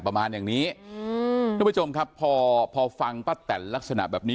ประมาณอย่างนี้อืมทุกผู้ชมครับพอพอฟังป้าแตนลักษณะแบบนี้